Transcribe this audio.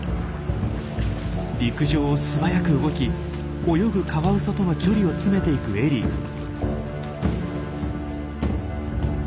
陸上を素早く動き泳ぐカワウソとの距離を詰めていくエリー。